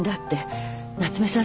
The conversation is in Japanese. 夏目さん